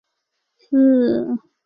公子阳生回国即位就是齐悼公。